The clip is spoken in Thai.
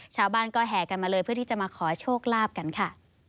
ชาวบ้านก็แห่กันมาเลยเพื่อที่จะมาขอโชคลาภกันค่ะ